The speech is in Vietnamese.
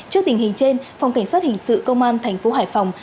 trước tình hình trên phòng cảnh sát hình sự công an tp hải phòng